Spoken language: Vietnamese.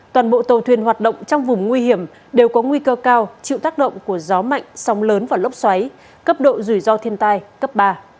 toàn bộ tàu thuyền hoạt động trong vùng nguy hiểm đều có nguy cơ cao chịu tác động của gió mạnh sóng lớn và lốc xoáy cấp độ rủi ro thiên tai cấp ba